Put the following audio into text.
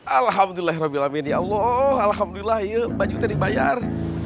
alhamdulillah ya allah alhamdulillah ya banyak banyak dibayar